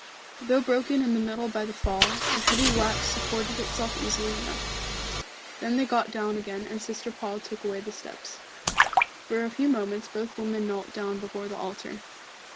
Though broken in the middle by the fall, the heavy wax supported itself easily enough. Then they got down again and Sister Paul took away the steps. For a few moments both women knelt down before the altar.